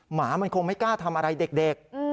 หมามันคงไม่กล้าทำอะไรเด็ก